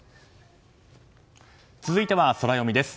続いてはソラよみです。